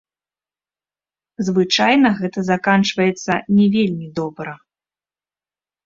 Звычайна гэта заканчваецца не вельмі добра.